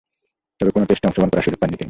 তবে, কোন টেস্টে অংশগ্রহণ করার সুযোগ পাননি তিনি।